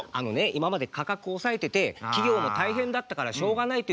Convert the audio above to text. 今まで価格抑えてて企業も大変だったからしょうがないという面もあるでしょ。